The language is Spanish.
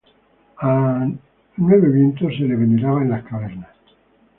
A Nueve Viento se le veneraba en las cavernas.